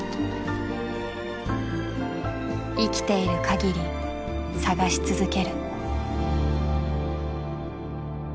生きているかぎり探し続ける。